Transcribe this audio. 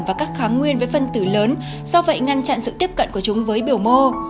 và các kháng nguyên với phân tử lớn do vậy ngăn chặn sự tiếp cận của chúng với biểu mô